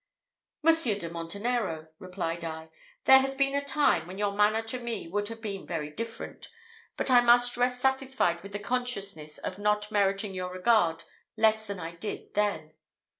"Monsieur de Montenero," replied I, "there has been a time, when your manner to me would have been very different; but I must rest satisfied with the consciousness of not meriting your regard less than I did then."